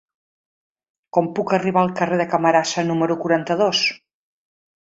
Com puc arribar al carrer de Camarasa número quaranta-dos?